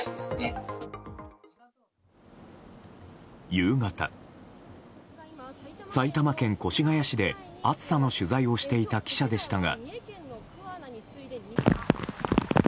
夕方、埼玉県熊谷市で暑さの取材をしていた記者でしたが。